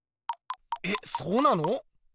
えっそうなの？